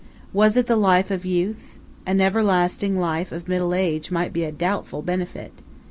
Was it the life of youth? An everlasting life of middle age might be a doubtful benefit.